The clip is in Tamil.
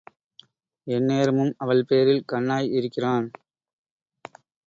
எந்நேரமும் அவள் பேரில் கண்ணாய் இருக்கிறான்.